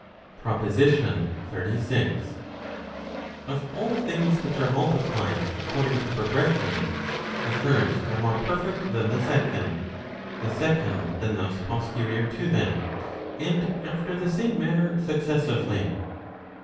PROPOSITION XXXVI. Of all things which are multiplied according to progression, the first are more perfect than the second, the second than those posterior to them, and after the same manner successively.